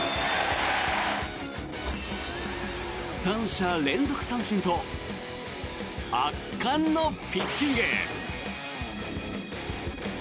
３者連続三振と圧巻のピッチング。